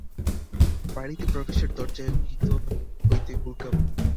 বাড়িতে প্রবেশের দরজায় ভিতর হইতে হুড়কা বন্ধ।